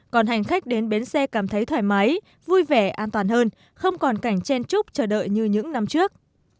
còn hành khách đến bến xe cảm thấy thoải mái vui vẻ an toàn hơn không còn cảnh chen chúc chờ đợi như những năm trước